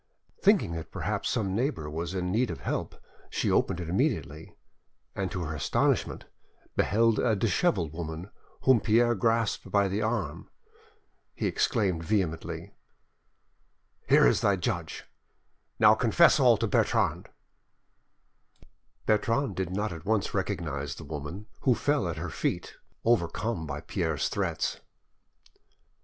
Thinking that perhaps some neighbour was in need of help, she opened it immediately, and to her astonishment beheld a dishevelled woman whom Pierre grasped by the arm. He exclaimed vehemently— "Here is thy judge! Now, confess all to Bertrande!" Bertrande did not at once recognise the woman, who fell at her feet, overcome by Pierre's threats.